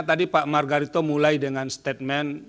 tadi pak margarito mulai dengan statement